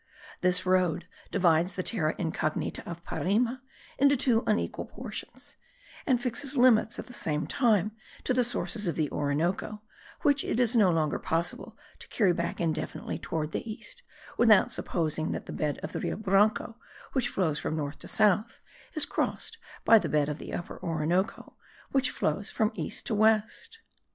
This road divides the terra incognita of Parima into two unequal portions; and fixes limits at the same time to the sources of the Orinoco, which it is no longer possible to carry back indefinitely toward the east, without supposing that the bed of the Rio Branco, which flows from north to south, is crossed by the bed of the Upper Orinoco, which flows from east to west.